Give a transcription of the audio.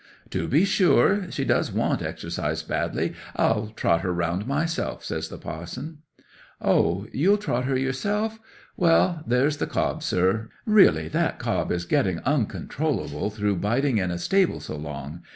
'"To be sure, she does want exercise badly. I'll trot her round myself," says the parson. '"Oh—you'll trot her yerself? Well, there's the cob, sir. Really that cob is getting oncontrollable through biding in a stable so long!